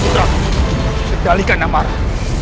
tidak kendalikan amarah